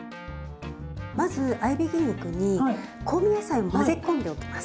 まず合いびき肉に香味野菜を混ぜ込んでおきます。